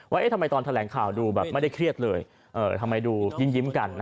ว่าทำไมตอนแถลงข่าวดูแบบไม่ได้เครียดเลยทำไมดูยิ้มกัน